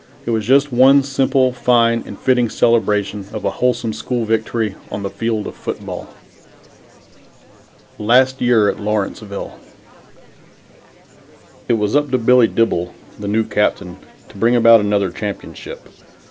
It was just one simple, fine and fitting celebration of a wholesome school victory on the field of football. LAST YEAR AT LAWRENCEVILLE It was up to Billy Dibble, the new captain, to bring about another championship.